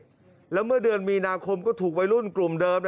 แล้วเมื่อเดือนมีนาคมก็ถูกวัยรุ่นกลุ่มเดิม